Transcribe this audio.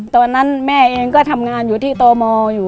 ตอนนั้นแม่เองก็ทำงานอยู่ที่ตมอยู่